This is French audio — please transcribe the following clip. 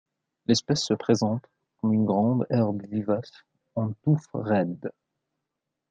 L'espèce se présente comme une grande herbe vivace en touffes raides.